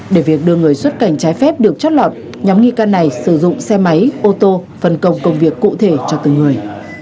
để việc đưa người xuất cảnh trái phép được chót lọt nhóm nghi can này sử dụng xe máy ô tô phân công công việc cụ thể cho từng người